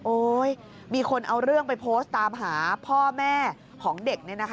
มีคนเอาเรื่องไปโพสต์ตามหาพ่อแม่ของเด็ก